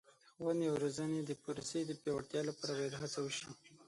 د ښوونې او روزنې د پروسې د پیاوړتیا لپاره باید هڅه وشي.